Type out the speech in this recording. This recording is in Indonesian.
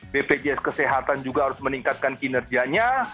bpjs kesehatan juga harus meningkatkan kinerjanya